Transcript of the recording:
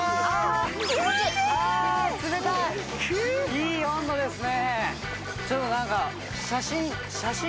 いい温度ですね。